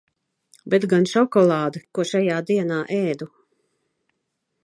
Bet gan šokolāde, ko šajā dienā ēdu.